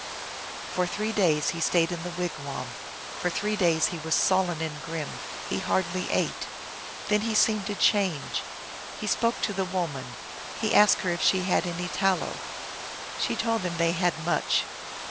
For three days he stayed in the wigwam ; for three days he was sullen and grim ; he hardly ate. Then he seemed to change. He spoke to the woman ; he asked her if she had any tallow. She told him they had much.